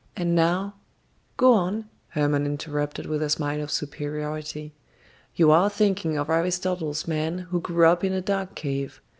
And now " "Go on," Hermon interrupted with a smile of superiority. "You are thinking of Aristotle's man who grew up in a dark cave.